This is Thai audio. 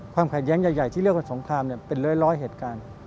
ความขัดแย้งใหญ่ที่เรียกว่าสงครามเป็นร้อยเหตุการณ์